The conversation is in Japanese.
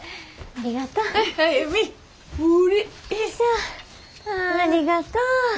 ああありがとう。